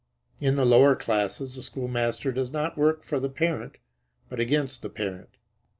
In the lower classes the school master does not work for the parent, but against the parent.